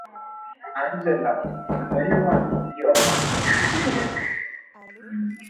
Vidole vyake ni virefu sana